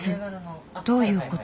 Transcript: どういうこと？